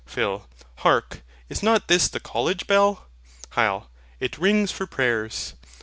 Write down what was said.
PHIL. Hark; is not this the college bell? HYL. It rings for prayers.